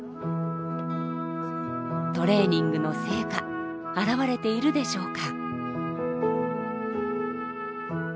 トレーニングの成果表れているでしょうか。